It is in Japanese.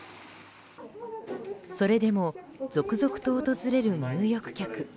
それでも、続々と訪れる入浴客。